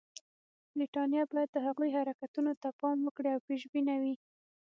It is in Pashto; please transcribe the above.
برټانیه باید د هغوی حرکتونو ته پام وکړي او پېشبینه وي.